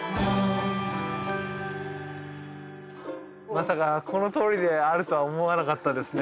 まさかこの通りであるとは思わなかったですね。